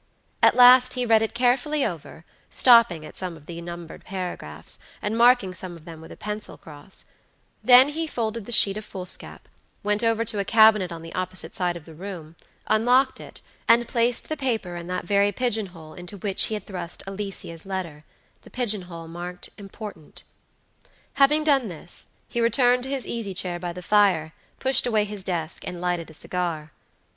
At last he read it carefully over, stopping at some of the numbered paragraphs, and marking some of them with a pencil cross; then he folded the sheet of foolscap, went over to a cabinet on the opposite side of the room, unlocked it, and placed the paper in that very pigeon hole into which he had thrust Alicia's letterthe pigeon hole marked Important. Having done this, he returned to his easy chair by the fire, pushed away his desk, and lighted a cigar.